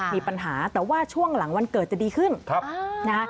มีปัญหาแต่ว่าช่วงหลังวันเกิดจะดีขึ้นนะคะ